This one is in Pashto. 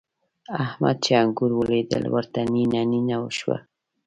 احمد چې انګور وليدل؛ ورته نينه نينه شو.